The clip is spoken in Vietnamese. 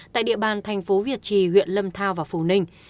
tại địa bàn thành phố việt trì huyện lâm thao và phù ninh